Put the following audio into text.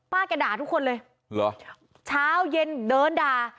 แกด่าทุกคนเลยเหรอเช้าเย็นเดินด่า